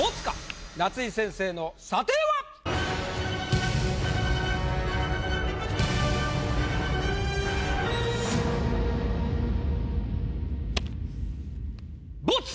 夏井先生の査定は⁉ボツ！